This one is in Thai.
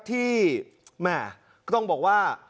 แหม่ก็ต้องบอกว่า